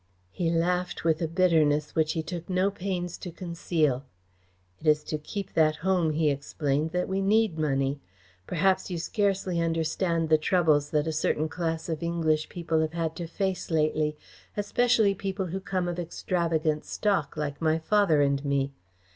He laughed with a bitterness which he took no pains to conceal. "It is to keep that home," he explained, "that we need money. Perhaps you scarcely understand the troubles that a certain class of English people have had to face lately, especially people who come of extravagant stock, like my father and me.